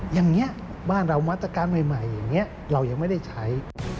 อย่างนี้บ้านเรามาตรการใหม่อย่างนี้เรายังไม่ได้ใช้